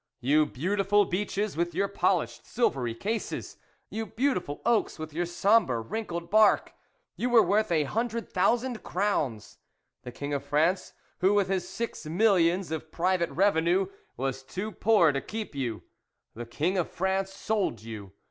You beautiful beeches with your polished silvery cases! you beautiful oaks with your sombre wrinkled bark ! you were worth a hundred thousand crowns. The King of France, who, with his six millions of private revenue, was too poor to keep you the King of France sold you.